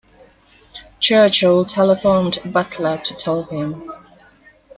Churchill telephoned Butler to tell him.